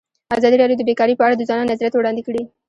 ازادي راډیو د بیکاري په اړه د ځوانانو نظریات وړاندې کړي.